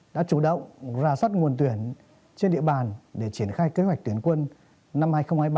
đã chủ động ra soát nguồn tuyển trên địa bàn để triển khai kế hoạch tuyển quân năm hai nghìn hai mươi ba